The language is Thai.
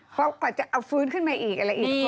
เพราะกว่าจะเอาฟื้นขึ้นมาอีกอะไรอีก